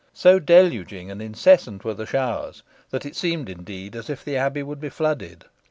So deluging and incessant were the showers, that it seemed, indeed, as if the abbey would be flooded.